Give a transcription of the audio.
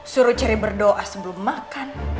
suruh cari berdoa sebelum makan